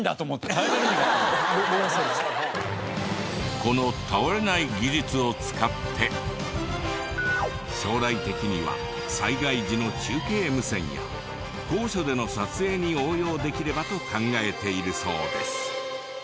この倒れない技術を使って将来的には災害時の中継無線や高所での撮影に応用できればと考えているそうです。